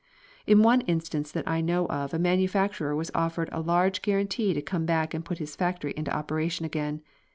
In one instance that I know of a manufacturer was offered a large guarantee to come back and put his factory into operation again.